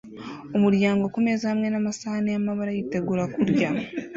Umuryango kumeza hamwe namasahani yamabara yitegura kurya